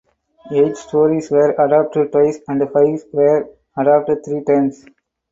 Eight stories were adapted twice and five were adapted three times.